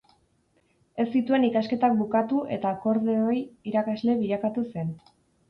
Ez zituen ikasketak bukatu eta akordeoi irakasle bilakatu zen.